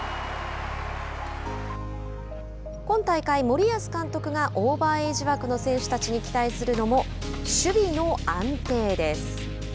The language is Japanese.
今大会、森保監督がオーバーエイジ枠の選手たちに期待するのも守備の安定です。